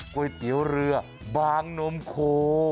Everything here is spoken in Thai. ก๋วยเตี๋ยวเรือบางนมโค